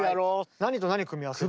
何と何組み合わせる？